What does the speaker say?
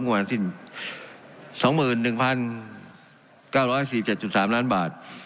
งว่าทั้งสิบสองหมื่นหนึ่งพันเก้าร้อยสี่เจ็ดจุดสามล้านบาท